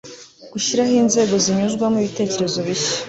gushyiraho inzego zinyuzwamo ibitekerezo bishya